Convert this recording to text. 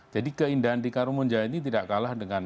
jadi keindahan di karimun jawa ini tidak kalah dengan